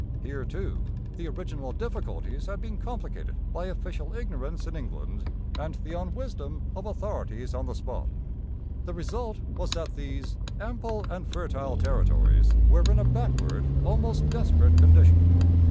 Here, too, the original difficulties had been complicated by official ignorance in England and the unwisdom of authorities on the spot. The result was that these 'ample and fertile territories' were in a backward, almost desperate, condition.